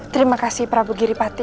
terima kasih prabu giripati